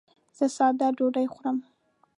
زه ساده ډوډۍ خورم.